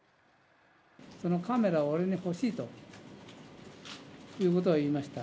そのカメラを俺に欲しいということは言いました。